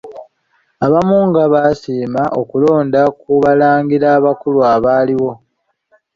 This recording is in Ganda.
Abamu nga basiima kulonda ku Balangira bakulu abaaliwo.